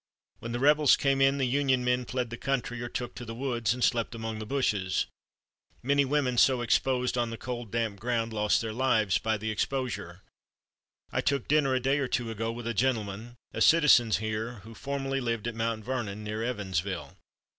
When the rebels came in, the Union men fled the country or took to the woods and slept among the bushes. Many women so exposed on the cold, damp ground lost their lives by the exposure. I took dinner a day or two ago with a gentleman, a citizen here, who formerly lived at Mount Vernon [near Evansville].